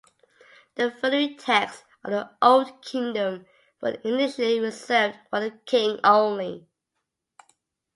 The funerary texts of the Old Kingdom were initially reserved for the king only.